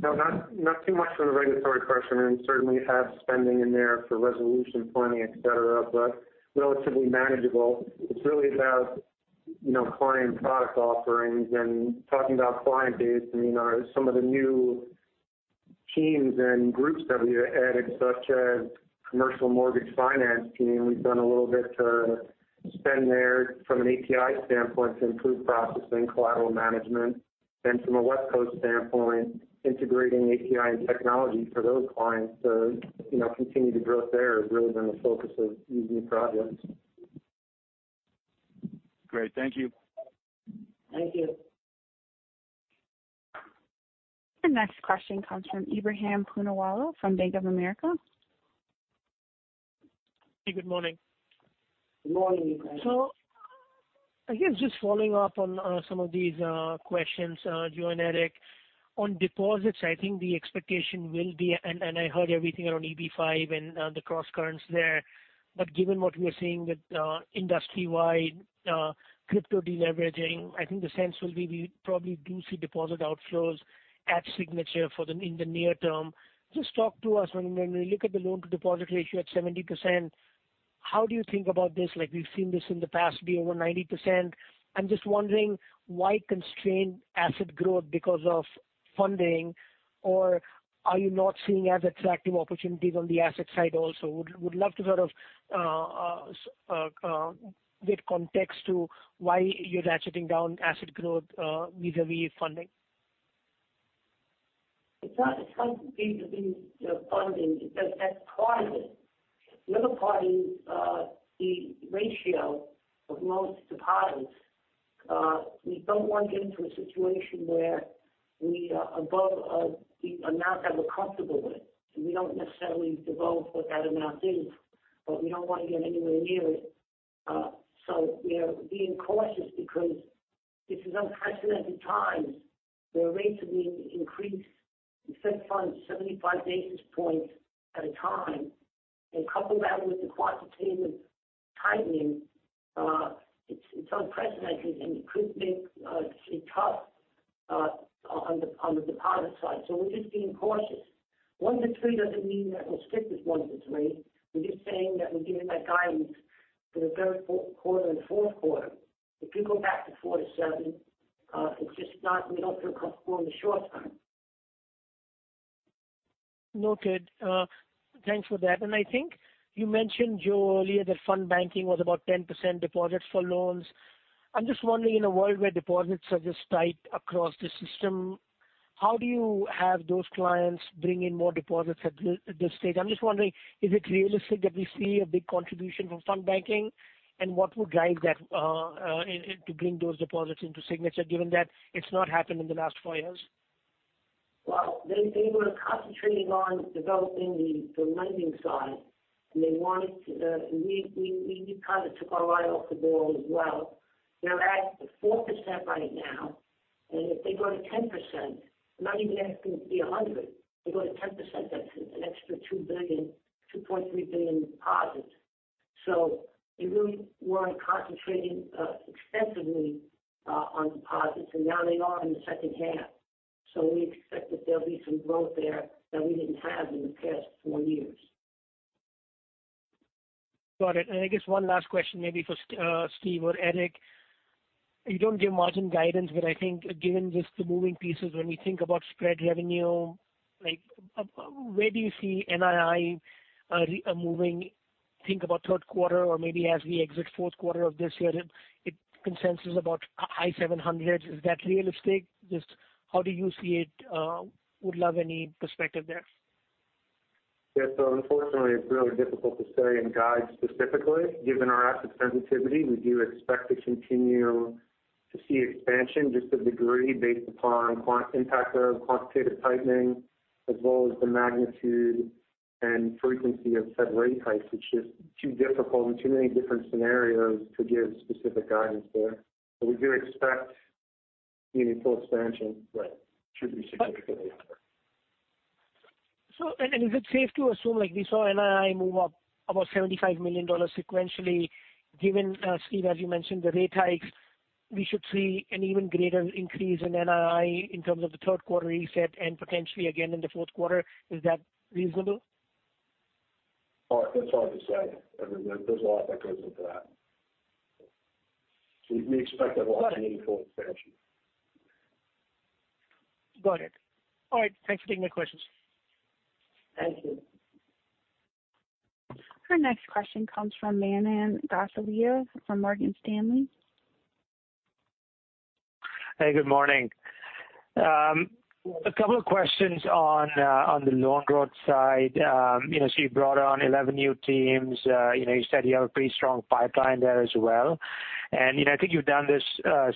No, not too much from the regulatory pressure. I mean, certainly have spending in there for resolution planning, et cetera, but relatively manageable. It's really about, you know, client product offerings. Talking about client base, I mean, our some of the new teams and groups that we added, such as commercial mortgage finance team, we've done a little bit to spend there from an API standpoint to improve processing collateral management. From a West Coast standpoint, integrating API and technology for those clients to, you know, continue to growth there has really been the focus of these new projects. Great. Thank you. Thank you. The next question comes from Ebrahim Poonawala from Bank of America. Good morning. Good morning, Ebrahim. I guess just following up on some of these questions, Joe and Eric. On deposits, I think the expectation will be I heard everything around EB-5 and the cross-currents there. Given what we are seeing with industry-wide crypto de-leveraging, I think the sense will be we probably do see deposit outflows at Signature in the near term. Just talk to us when we look at the loan to deposit ratio at 70%, how do you think about this? Like we've seen this in the past be over 90%. I'm just wondering why constrain asset growth because of funding or are you not seeing as attractive opportunities on the asset side also? Would love to sort of get context to why you're ratcheting down asset growth vis-a-vis funding. It's not vis-a-vis the funding. That's part of it. The other part is the ratio of loans to deposits. We don't want to get into a situation where we are above the amount that we're comfortable with. We don't necessarily know what that amount is, but we don't want to get anywhere near it. We are being cautious because this is unprecedented times, where rates are being increased in Fed funds 75 basis points at a time. Coupled that with the quantitative tightening, it's unprecedented, and it could make it tough on the deposit side. We're just being cautious. 1 to 3 doesn't mean that we'll stick with 1 to 3. We're just saying that we're giving that guidance for the third quarter and fourth quarter. If you go back to 4-7, we don't feel comfortable in the short term. Noted. Thanks for that. I think you mentioned, Joe, earlier that fund banking was about 10% deposits for loans. I'm just wondering in a world where deposits are just tight across the system, how do you have those clients bring in more deposits at this stage? I'm just wondering, is it realistic that we see a big contribution from fund banking and what would drive that in to bring those deposits into Signature given that it's not happened in the last four years? They were concentrating on developing the lending side, and they wanted to. We kind of took our eye off the ball as well. They're at 4% right now, and if they go to 10%, I'm not even asking to be 100%. They go to 10%, that's an extra $2 billion, $2.3 billion in deposits. They really weren't concentrating extensively on deposits, and now they are in the second half. We expect that there'll be some growth there that we didn't have in the past four years. Got it. I guess one last question maybe for Steve or Eric. You don't give margin guidance, but I think given just the moving pieces when we think about spread revenue, like, where do you see NII moving? Think about third quarter or maybe as we exit fourth quarter of this year. The consensus about high $700. Is that realistic? Just how do you see it? Would love any perspective there. Unfortunately, it's really difficult to say and guide specifically. Given our asset sensitivity, we do expect to continue to see expansion, just the degree based upon impact of quantitative tightening as well as the magnitude and frequency of said rate hikes. It's just too difficult and too many different scenarios to give specific guidance there. We do expect meaningful expansion. Right. Should be significantly higher. Is it safe to assume like we saw NII move up about $75 million sequentially, given Steve, as you mentioned, the rate hikes? We should see an even greater increase in NII in terms of the third quarter reset and potentially again in the fourth quarter. Is that reasonable? Oh, that's hard to say. I mean, there's a lot that goes into that. We expect a lot in the fourth quarter. Got it. All right. Thanks for taking my questions. Thank you. Our next question comes from Manan Gosalia from Morgan Stanley. Hey, good morning. A couple of questions on the loan growth side. You know, you brought on 11 new teams. You know, you said you have a pretty strong pipeline there as well. You know, I think you've done this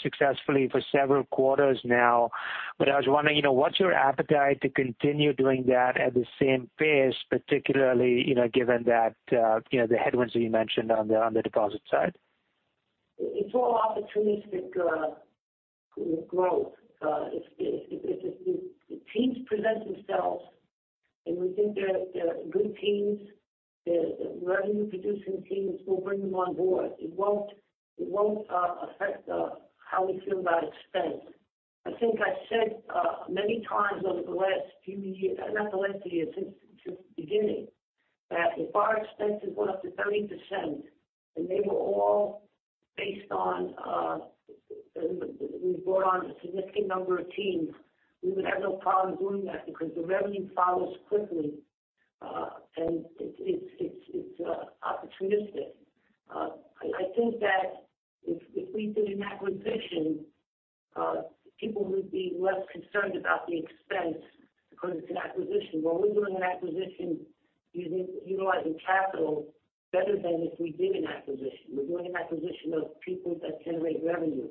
successfully for several quarters now, but I was wondering, you know, what's your appetite to continue doing that at the same pace, particularly, you know, given that, you know, the headwinds that you mentioned on the deposit side? It's all opportunistic growth. If the teams present themselves, and we think they're good teams, they're revenue producing teams, we'll bring them on board. It won't affect how we feel about expense. I think I said many times over the last few years, not the last few years, since the beginning, that if our expenses went up to 30%, and they were all based on we brought on a significant number of teams, we would have no problem doing that because the revenue follows quickly, and it's opportunistic. I think that if we did an acquisition, people would be less concerned about the expense because it's an acquisition. Well, we're doing an acquisition utilizing capital better than if we did an acquisition. We're doing an acquisition of people that generate revenue.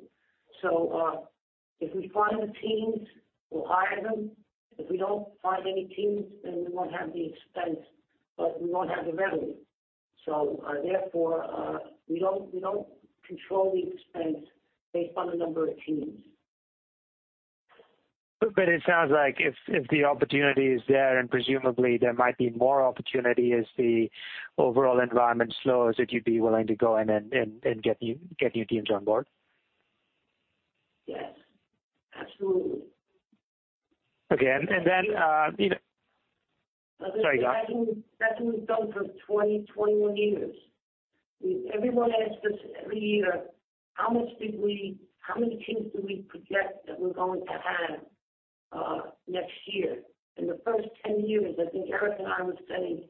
If we find the teams, we'll hire them. If we don't find any teams, then we won't have the expense, but we won't have the revenue. Therefore, we don't control the expense based on the number of teams. It sounds like if the opportunity is there, and presumably there might be more opportunity as the overall environment slows, that you'd be willing to go in and get new teams on board. Yes, absolutely. Okay. Then, you know. Sorry, go on. That's what we've done for 21 years. Everyone asks us every year, how many teams do we project that we're going to have next year? In the first 10 years, I think Eric and I were saying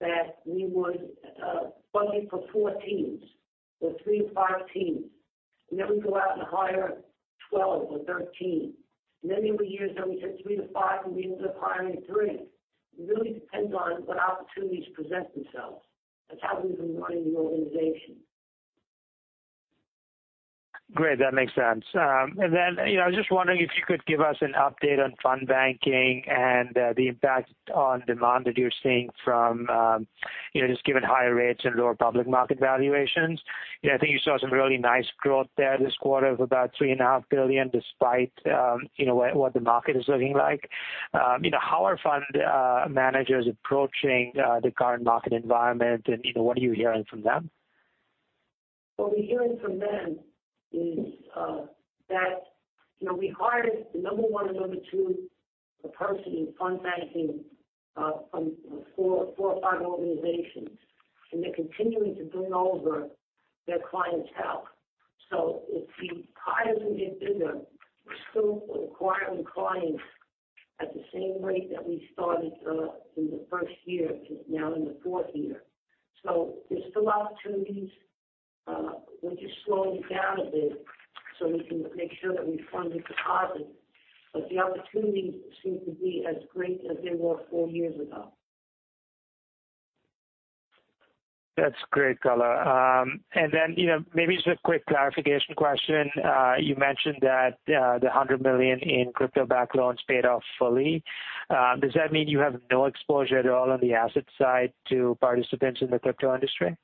that we would budget for 4 teams or 3-5 teams, and then we go out and hire 12 or 13. There were years that we said 3-5, and we ended up hiring 3. It really depends on what opportunities present themselves. That's how we've been running the organization. Great, that makes sense. You know, I was just wondering if you could give us an update on fund banking and the impact on demand that you're seeing from, you know, just given higher rates and lower public market valuations. You know, I think you saw some really nice growth there this quarter of about $3.5 billion despite, you know, what the market is looking like. You know, how are fund managers approaching the current market environment and, you know, what are you hearing from them? What we're hearing from them is that, you know, we hired the number one and number two person in fund banking from four or five organizations, and they're continuing to bring over their clientele. It seems the bigger we get, we're still acquiring clients at the same rate that we started in the first year to now in the fourth year. There's still opportunities. We're just slowing it down a bit so we can make sure that we fund the deposits. The opportunities seem to be as great as they were four years ago. That's great color. You know, maybe just a quick clarification question. You mentioned that the $100 million in crypto-backed loans paid off fully. Does that mean you have no exposure at all on the asset side to participants in the crypto industry?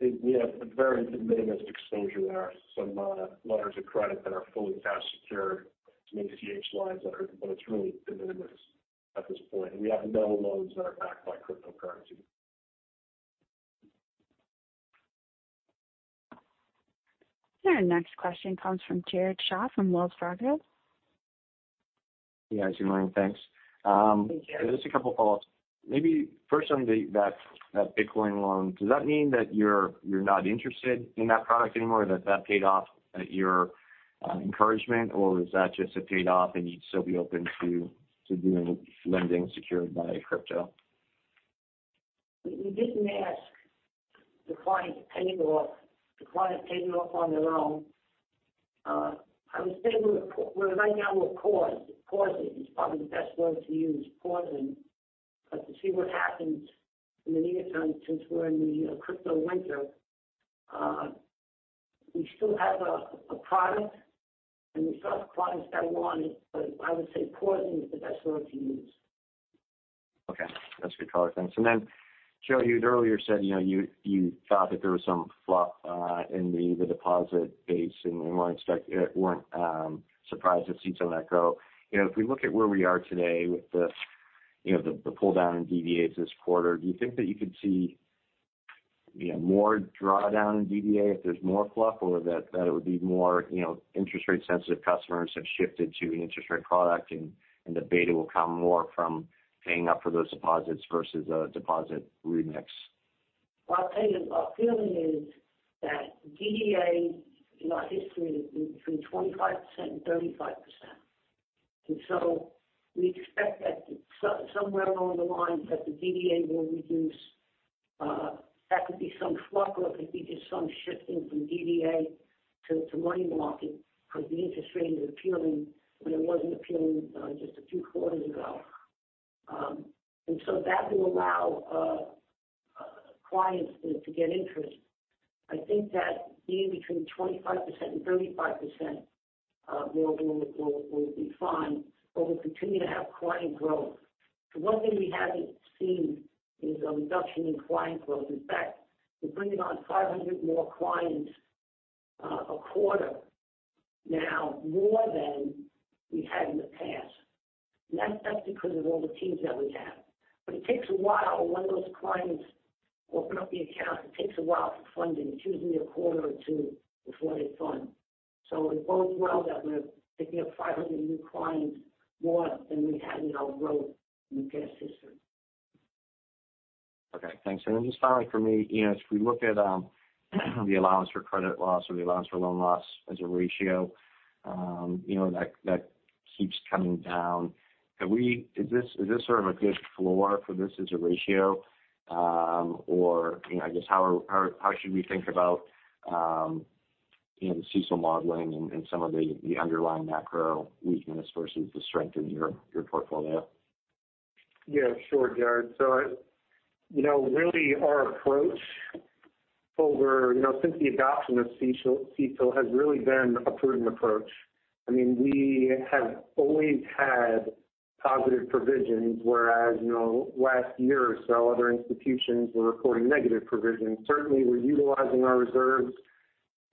We have a very de minimis exposure. Some letters of credit that are fully cash secured, some ACH lines that are. But it's really de minimis at this point. We have no loans that are backed by cryptocurrency. Our next question comes from Jared Shaw from Wells Fargo. Yes. Good morning. Thanks. Just a couple follow-ups. Maybe first on that Bitcoin loan, does that mean that you're not interested in that product anymore? That paid off at your encouragement, or is that just it paid off, and you'd still be open to doing lending secured by crypto? We didn't ask the client to pay it off. The client paid it off on their own. I would say we're right now paused. Pausing is probably the best word to use to see what happens in the near term since we're in the crypto winter. We still have a product and we still have clients that want it, but I would say pausing is the best word to use. Okay. That's good color. Thanks. Joe, you'd earlier said, you know, you thought that there was some fluff in the deposit base, and you weren't surprised to see some of that go. You know, if we look at where we are today with the, you know, the pull down in DVAs this quarter. Do you think that you could see, you know, more drawdown in DDA if there's more fluff or that it would be more, you know, interest rate sensitive customers have shifted to an interest rate product and the beta will come more from paying up for those deposits versus a deposit remix? Well, I'll tell you, our feeling is that DDA in our history between 25% and 35%. We expect that somewhere along the lines that the DDA will reduce. That could be some fluff or it could be just some shifting from DDA to money market because the interest rate is appealing when it wasn't appealing just a few quarters ago. That will allow clients to get interest. I think that being between 25% and 35% will be fine, but we'll continue to have client growth. The one thing we haven't seen is a reduction in client growth. In fact, we're bringing on 500 more clients a quarter now more than we had in the past. That's because of all the teams that we have. It takes a while when those clients open up the account, it takes a while for funding. It's usually a quarter or two before they fund. It bodes well that we're picking up 500 new clients more than we had in our growth in the past history. Okay, thanks. Just finally for me, you know, if we look at the allowance for credit loss or the allowance for loan loss as a ratio, you know, that keeps coming down. Is this sort of a good floor for this as a ratio? Or, you know, I guess how should we think about CECL modeling and some of the underlying macro weakness versus the strength in your portfolio? Yeah, sure, Jared. So you know, really our approach over, you know, since the adoption of CECL has really been a prudent approach. I mean, we have always had positive provisions, whereas, you know, last year or so other institutions were reporting negative provisions. Certainly we're utilizing our reserves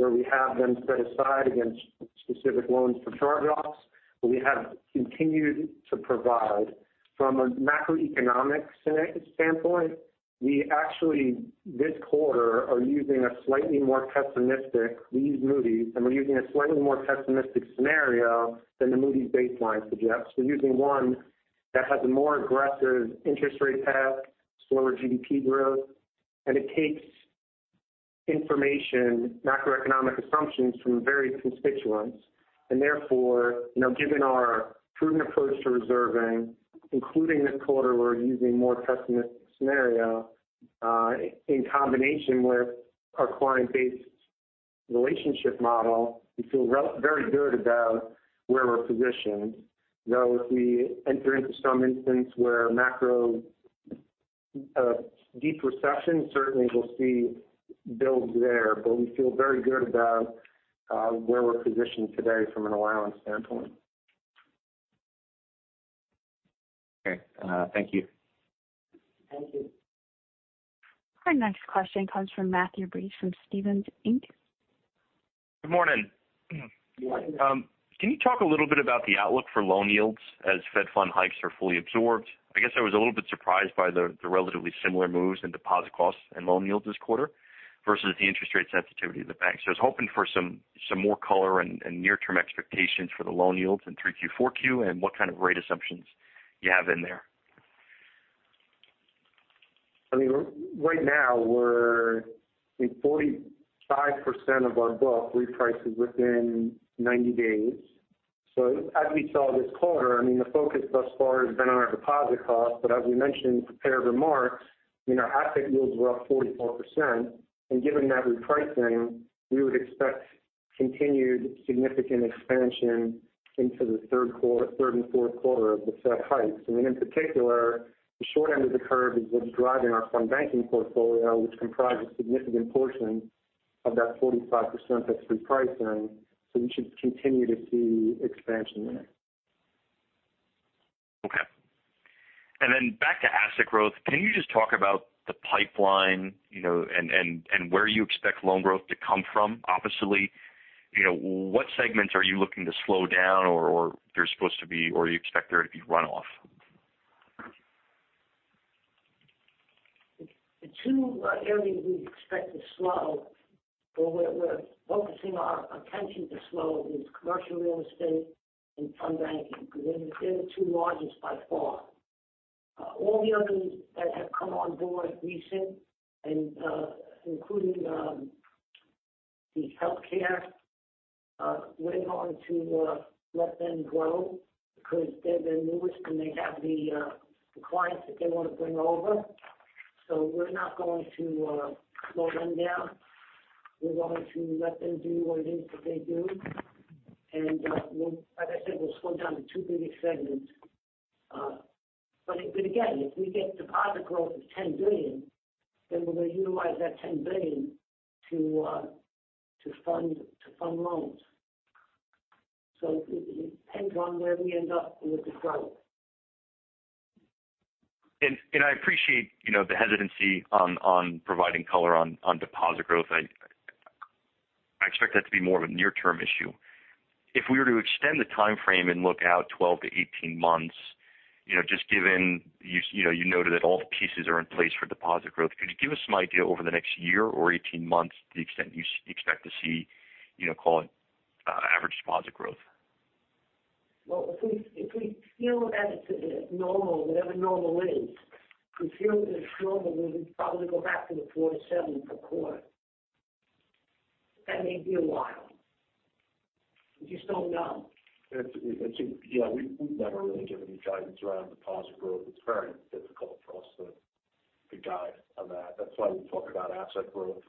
where we have them set aside against specific loans for charge offs, but we have continued to provide. From a macroeconomic standpoint, we actually this quarter are using a slightly more pessimistic, we use Moody's, and we're using a slightly more pessimistic scenario than the Moody's baseline suggests. We're using one that has a more aggressive interest rate path, slower GDP growth, and it takes information, macroeconomic assumptions from various constituents. Therefore, you know, given our prudent approach to reserving, including this quarter, we're using more pessimistic scenario in combination with our client-based relationship model. We feel very good about where we're positioned. Now, if we enter into some instance where a macro, deep recession, certainly we'll see builds there, but we feel very good about where we're positioned today from an allowance standpoint. Okay. Thank you. Thank you. Our next question comes from Matthew Breese from Stephens Inc. Good morning. Good morning. Can you talk a little bit about the outlook for loan yields as Fed fund hikes are fully absorbed? I guess I was a little bit surprised by the relatively similar moves in deposit costs and loan yields this quarter versus the interest rate sensitivity of the banks. I was hoping for some more color and near-term expectations for the loan yields in 3Q, 4Q, and what kind of rate assumptions you have in there. I mean, right now we're, I think 45% of our book reprices within 90 days. As we saw this quarter, I mean, the focus thus far has been on our deposit cost. As we mentioned in prepared remarks, you know, our asset yields were up 44%. Given that repricing, we would expect continued significant expansion into the third and fourth quarter of the Fed hikes. I mean, in particular, the short end of the curve is what's driving our fund banking portfolio, which comprises a significant portion of that 45% that's repricing. We should continue to see expansion there. Okay. Then back to asset growth. Can you just talk about the pipeline, you know, and where you expect loan growth to come from oppositely? You know, what segments are you looking to slow down or you expect there to be runoff? The two areas we expect to slow or we're focusing our attention to slow is commercial real estate and fund banking. They're the two largest by far. All the others that have come on board recently and including the healthcare we're going to let them grow because they're the newest and they have the clients that they want to bring over. We're not going to slow them down. We're going to let them do what it is that they do. Like I said, we'll slow down the two biggest segments. Again, if we get deposit growth of $10 billion, then we're going to utilize that $10 billion to fund loans. It depends on where we end up with this growth. I appreciate, you know, the hesitancy on providing color on deposit growth. I expect that to be more of a near-term issue. If we were to extend the time frame and look out 12-18 months, you know, just given, you know, you noted that all the pieces are in place for deposit growth. Could you give us some idea over the next year or 18 months the extent you expect to see, you know, call it average deposit growth? Well, if we feel that it's normal, whatever normal is, if we feel that it's normal, then we'd probably go back to the 4-7 per quarter. That may be a while. We just don't know. It's you know, we've never really given any guidance around deposit growth. It's very difficult for us to guide on that. That's why we talk about asset growth.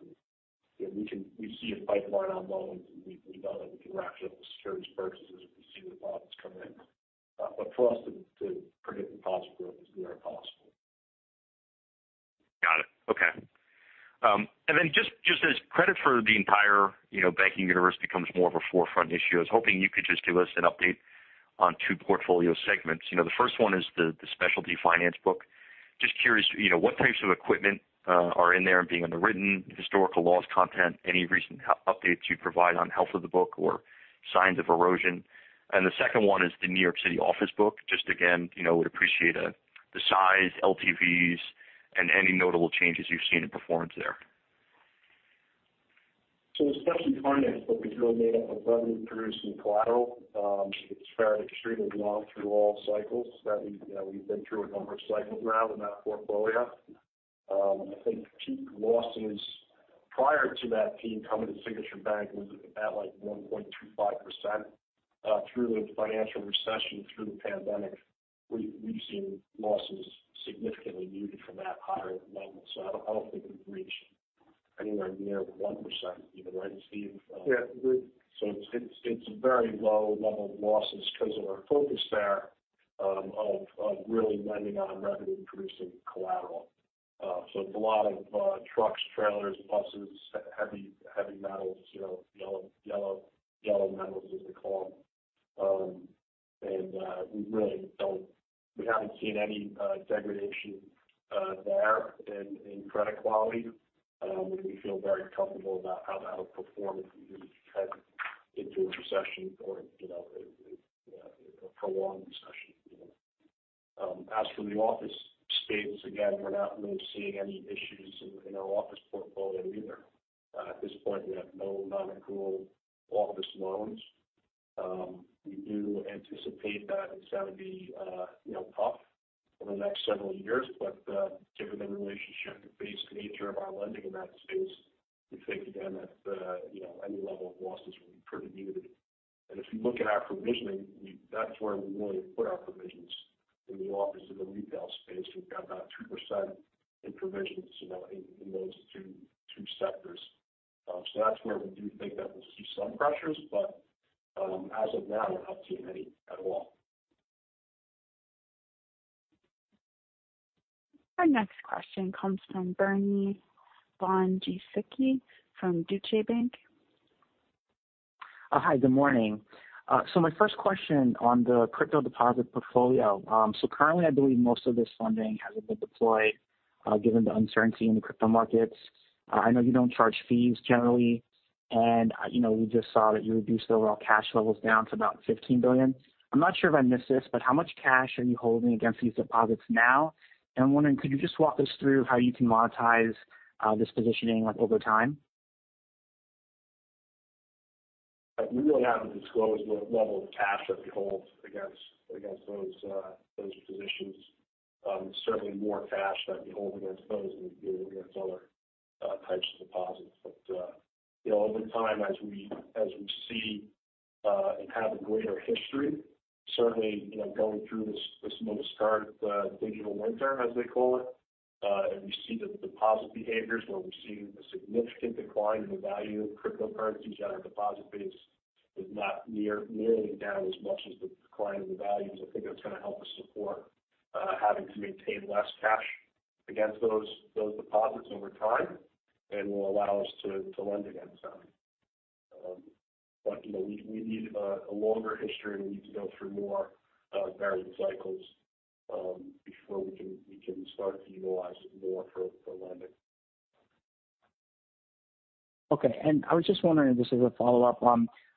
You know, we can. We see a pipeline on loans, and we know that we can ratchet up the securities purchases if we see deposits coming in. For us to predict deposit growth is very impossible. Got it. Okay. Just as credit for the entire, you know, banking universe becomes more of a forefront issue, I was hoping you could just give us an update on two portfolio segments. You know, the first one is the specialty finance book. Just curious, you know, what types of equipment are in there and based on the written historical loss content, any recent updates you'd provide on health of the book or signs of erosion? The second one is the New York City office book. Just again, you know, would appreciate the size, LTVs, and any notable changes you've seen in performance there. The specialty finance book is really made up of revenue-producing collateral. It's fared extremely well through all cycles. We've been through a number of cycles now in that portfolio. I think peak losses prior to that peak coming to Signature Bank was at, like, 1.25%. Through the financial recession, through the pandemic, we've seen losses significantly muted from that higher level. I don't think we've reached anywhere near 1%. Is that right, Steve? Yeah. It's a very low level of losses because of our focus there of really lending on revenue-producing collateral. It's a lot of trucks, trailers, buses, heavy metals, you know, yellow metals as they call them. We haven't seen any degradation there in credit quality. We feel very comfortable about how that'll perform if we head into a recession or you know a prolonged recession. As for the office space, again, we're not really seeing any issues in our office portfolio either. At this point, we have no non-accrual office loans. We do anticipate that it's gonna be tough over the next several years. Given the relationship-based nature of our lending in that space, we think again that, you know, any level of losses will be pretty muted. If you look at our provisioning, that's where we really put our provisions in the office and the retail space. We've got about 2% in provisions, you know, in those two sectors. That's where we do think that we'll see some pressures. As of now, we're not seeing any at all. Our next question comes from Brock Vandervliet from Deutsche Bank. Hi, good morning. My first question on the crypto deposit portfolio. Currently, I believe most of this funding hasn't been deployed, given the uncertainty in the crypto markets. I know you don't charge fees generally. You know, we just saw that you reduced the overall cash levels down to about $15 billion. I'm not sure if I missed this, but how much cash are you holding against these deposits now? I'm wondering, could you just walk us through how you can monetize this positioning, like, over time? We really haven't disclosed what level of cash that we hold against those positions. Certainly more cash that we hold against those than we do against other types of deposits. You know, over time as we see and have a greater history, certainly, you know, going through this most current crypto winter, as they call it. We see the deposit behaviors where we're seeing a significant decline in the value of cryptocurrencies on our deposit base is not nearly down as much as the decline in the values. I think that's going to help us support having to maintain less cash against those deposits over time and will allow us to lend against them. You know, we need a longer history, and we need to go through more varying cycles before we can start to utilize it more for lending. Okay. I was just wondering, just as a follow-up.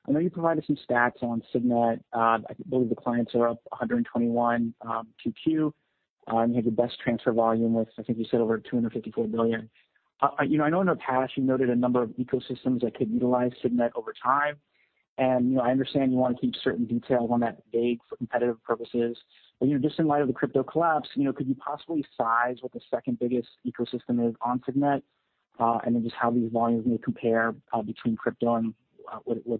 I know you provided some stats on Signet. I believe the clients are up 121, Q2. You had your best transfer volume with, I think you said over $254 billion. You know, I know in the past you noted a number of ecosystems that could utilize Signet over time. You know, I understand you want to keep certain details on that vague for competitive purposes. You know, just in light of the crypto collapse, could you possibly size what the second biggest ecosystem is on Signet? And then just how these volumes may compare between crypto and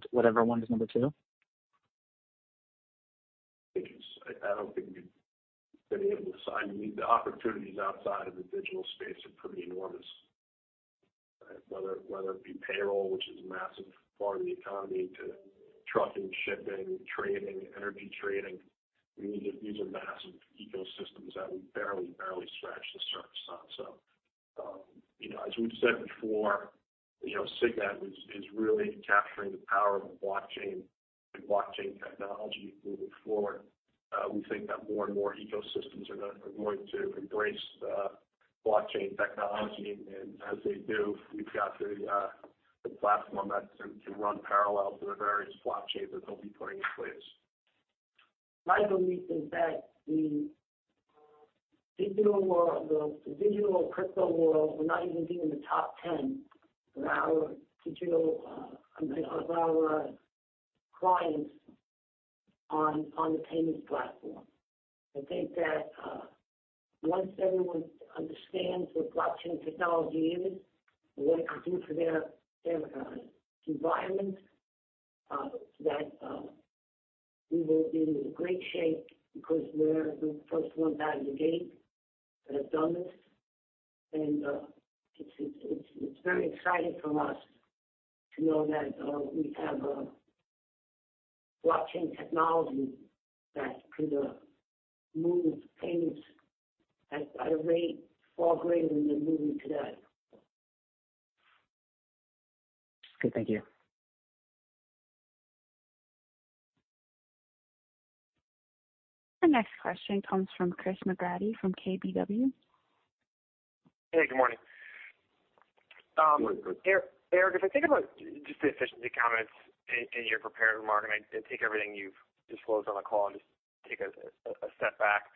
whatever one is number two? I don't think we'd be able to sign. I mean, the opportunities outside of the digital space are pretty enormous. Right. Whether it be payroll, which is a massive part of the economy, to trucking, shipping, trading, energy trading. I mean, these are massive ecosystems that we've barely scratched the surface on. You know, as we've said before, you know, Signet is really capturing the power of the blockchain and blockchain technology moving forward. We think that more and more ecosystems are going to embrace the blockchain technology. As they do, we've got the platform that can run parallel to the various blockchains that they'll be putting in place. My belief is that the digital world, the digital crypto world, we're not even getting the top ten of our digital clients on the payments platform. I think that once everyone understands what blockchain technology is and what it can do for their environment, that we will be in great shape because we're the first ones out of the gate that have done this. It's very exciting for us to know that we have a blockchain technology that could move payments at a rate far greater than they're moving today. Okay, thank you. Our next question comes from Christopher McGratty from KBW. Hey, good morning. Good morning. Eric, if I think about just the efficiency comments in your prepared remarks, and I take everything you've disclosed on the call and just take a step back.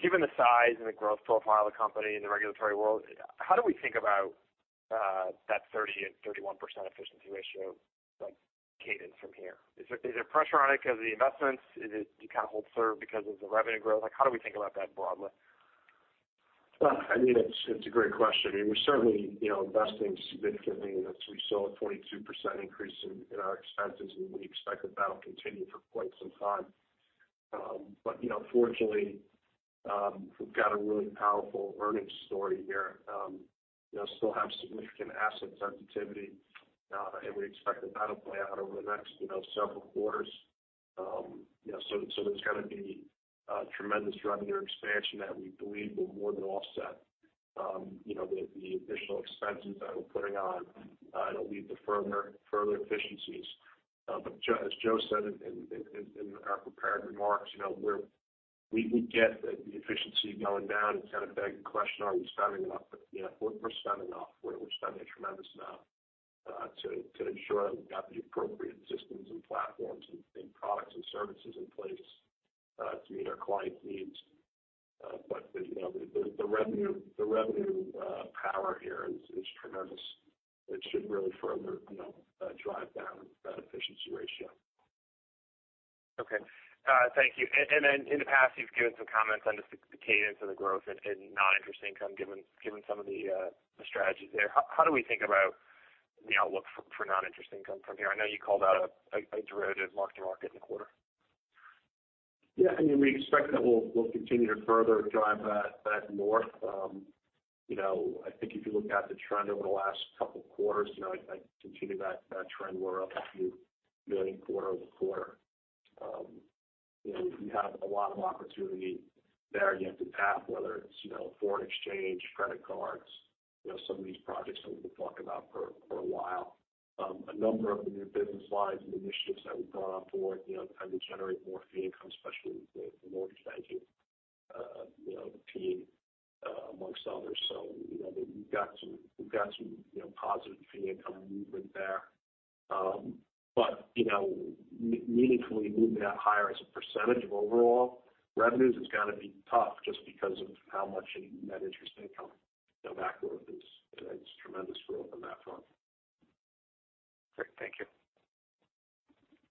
Given the size and the growth profile of the company in the regulatory world, how do we think about that 30%-31% efficiency ratio, like, cadence from here? Is there pressure on it because of the investments? Is it you kind of hold serve because of the revenue growth? Like how do we think about that broadly? I mean, it's a great question. I mean, we're certainly, you know, investing significantly as we saw a 22% increase in our expenses and we expect that that'll continue for quite some time. You know, fortunately, we've got a really powerful earnings story here. You know, still have significant asset sensitivity, and we expect that that'll play out over the next, you know, several quarters. You know, so there's gonna be tremendous revenue expansion that we believe will more than offset, you know, the additional expenses that we're putting on. It'll lead to further efficiencies. As Joe said in our prepared remarks, you know, we get that the efficiency going down. It's kind of begging the question, are we spending enough? You know, we're spending enough. We're spending a tremendous amount to ensure that we've got the appropriate systems and platforms and products and services in place to meet our clients' needs. You know, the revenue power here is tremendous, which should really further drive down that efficiency ratio. Okay. Thank you. In the past you've given some comments on just the cadence of the growth in non-interest income given some of the strategies there. How do we think about the outlook for non-interest income from here? I know you called out a derivative mark-to-market in the quarter. Yeah. I mean, we expect that we'll continue to further drive that north. You know, I think if you look at the trend over the last couple quarters, you know, I continue that trend. We're up $a few million quarter-over-quarter. You know, we have a lot of opportunity there yet to tap, whether it's, you know, foreign exchange, credit cards. You know, some of these projects that we've been talking about for a while. A number of the new business lines and initiatives that we've gone out for, you know, tend to generate more fee income, especially with the mortgage banking, you know, team, amongst others. You know, we've got some positive fee income movement there. You know, meaningfully moving that higher as a percentage of overall revenues is gonna be tough just because of how much in that interest income backlog is. It's tremendous growth on that front. Great. Thank you.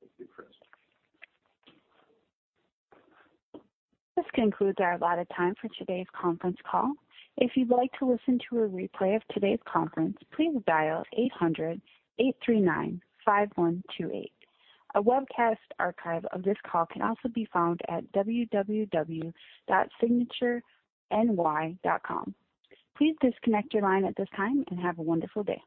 Thank you, Chris. This concludes our allotted time for today's conference call. If you'd like to listen to a replay of today's conference, please dial 800-839-5128. A webcast archive of this call can also be found at www.signatureny.com. Please disconnect your line at this time and have a wonderful day.